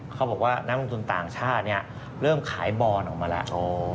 เพราะเขาอาจจะกลัวขึ้นมานิดหนึ่งนะครับ